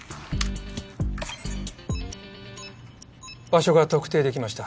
場所が特定できました。